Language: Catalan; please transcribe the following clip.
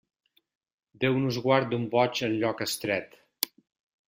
Déu nos guard d'un boig en lloc estret.